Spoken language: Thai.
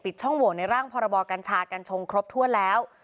ปิดช่องโหวนในร่างพรบอกัญชากัญชงครบทั่วแล้ว